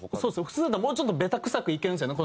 普通だったらもうちょっとベタくさくいけるんですよね